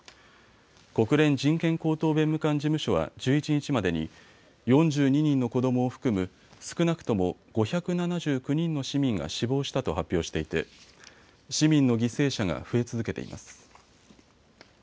国連人権高等弁務官事務所は１１日までに４２人の子どもを含む少なくとも５７９人の市民が死亡したと発表していて市民の犠牲者が増え続けています。